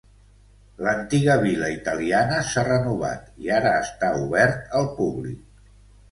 L'antiga vila italiana s'ha renovat i ara està obert al públic.